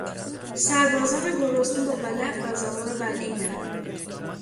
سربازان گرسنه با ولع غذاها را بلعیدند.